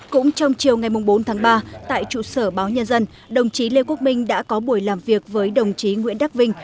cũng trong chiều ngày bốn tháng ba tại trụ sở báo nhân dân đồng chí lê quốc minh đã có buổi làm việc với đồng chí nguyễn đắc vinh